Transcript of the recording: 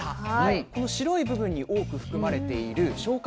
この白い部分に多く含まれている消化